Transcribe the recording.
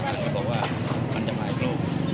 เพราะว่ามันจะหมายคลุก